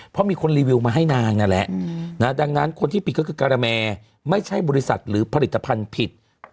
เพราะมีคนรีวิวมาให้นางนั่นแหละดังนั้นคนที่ผิดก็คือการาแมไม่ใช่บริษัทหรือผลิตภัณฑ์ผิด